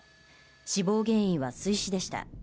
死亡原因は水死でした。